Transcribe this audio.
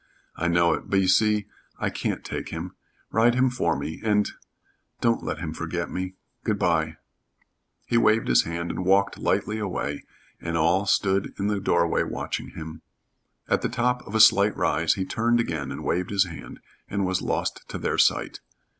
"I know it. But you see, I can't take him. Ride him for me, and don't let him forget me. Good by!" He waved his hand and walked lightly away, and all stood in the doorway watching him. At the top of a slight rise he turned again and waved his hand, and was lost to their sight.